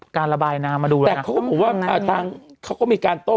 การระบายน้ำมาดูแลแต่เขาก็บอกว่าอ่าทางเขาก็มีการโต้